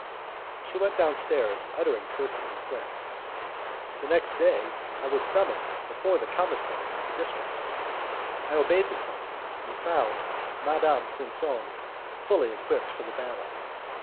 She went downstairs, uttering curses and threats: the next day I was summoned before the commissary of the district. I obeyed the summons, and found Madame Quinson fully equipped for the battle.